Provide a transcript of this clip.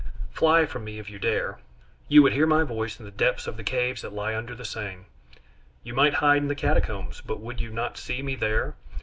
Fly from me if you dare! You would hear my voice in the depths of the caves that lie under the Seine; you might hide in the Catacombs, but would you not see me there?